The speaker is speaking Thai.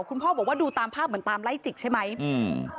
คุณพ่อบอกว่าดูตามภาพเหมือนตามไล่จิกใช่ไหมอืม